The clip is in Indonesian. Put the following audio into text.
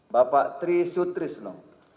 bapak tri sutrisno